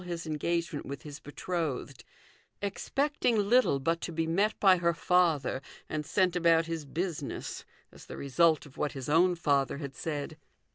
his engagement with his betrothed, expecting little but to be met by her father, and sent THE GOLDEN RULE. 311 about his business, as the result of what his own father had said.